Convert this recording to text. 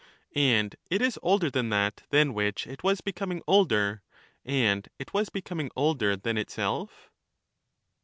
And it is older than that than which it was becoming older, and it was becoming older than itself.